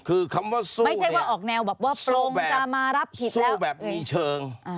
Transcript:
คือคำว่าสู้สู้แบบมีเชิง